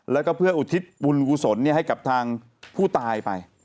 แล้วก็เพื่ออุทิศบุญกุศลให้กับทางผู้ตายไป